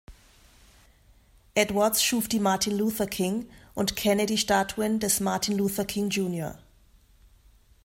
Edwards schuf die Martin Luther King- und Kennedy- Statuen des Martin Luther King, jr.